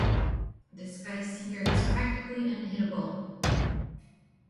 This guy's sinker is practically unhittable.